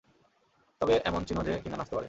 তবে এমন চিনো যে কিনা নাচতে পারে।